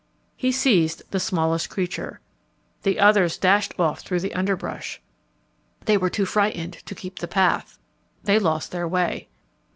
He seized the smallest creature. The others dashed off through the underbrush. They were too frightened to keep the path. They lost their way.